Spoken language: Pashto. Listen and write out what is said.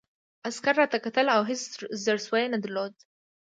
عسکر راته کتل او هېڅ زړه سوی یې نه درلود